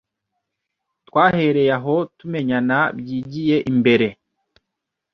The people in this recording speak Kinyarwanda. Twahereye aho tumenyana byigiye imbere